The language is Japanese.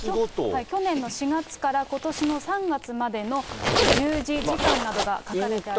去年の４月からことしの３月までの従事時間などが書かれています。